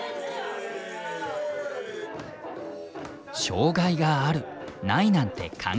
障害があるないなんて関係ない！